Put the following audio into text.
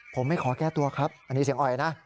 ผมไม่ขอแก้ตัวครับอันนี้เสียงอ่อยนะ